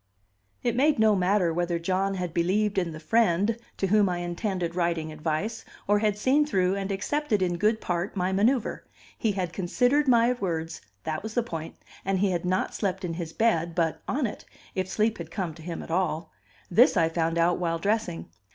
It made no matter whether John had believed in the friend to whom I intended writing advice, or had seen through and accepted in good part my manoeuvre; he had considered my words, that was the point; and he had not slept in his bed, but on it, if sleep had come to him at all; this I found out while dressing.